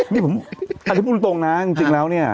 นี่ผมอธิบุทงนะจริงแล้วนี่